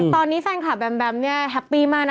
ตอนนี้แฟนคลับแบมแบมเนี่ยแฮปปี้มากนะ